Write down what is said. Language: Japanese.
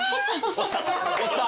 落ちた。